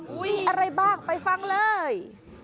อะไรบ้างไปฟังเลย